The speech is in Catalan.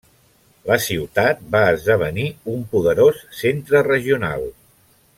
La ciutat va esdevenir un poderós centre regional.